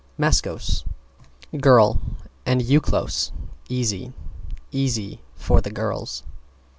maskos, girl, and eukolos, easy. Easy for the girls.